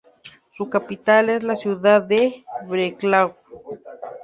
Su capital es la ciudad de Břeclav.